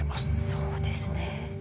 そうですね。